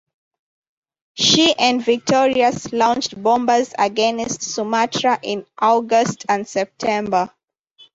She and "Victorious" launched bombers against Sumatra in August and September.